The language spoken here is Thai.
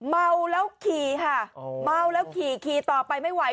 เมาแล้วขี่ค่ะเมาแล้วขี่ขี่ต่อไปไม่ไหว